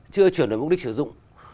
chưa chuyển được mục đích sử dụng